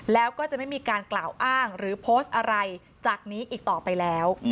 แล้วก็จะไม่มีการกล่าวอ้างหรือโพสต์อะไรจากนี้อีกต่อไปแล้ว